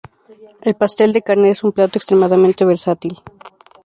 El pastel de carne es un plato extremadamente versátil.